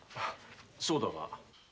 そうだが。